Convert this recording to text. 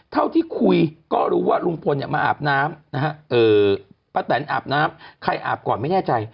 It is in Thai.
เท่าที่คุยก็รู้ว่าลุงพลมาอาบน้ำนะฮะป้าแตนอาบน้ำใครอาบก่อนไม่แน่ใจ